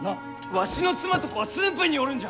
わしの妻と子は駿府におるんじゃ！